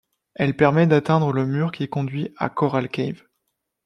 Elle permet d'atteindre le mur, qui conduit à Coral Cave.